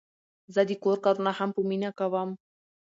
زه د کور کارونه هم په مینه کوم.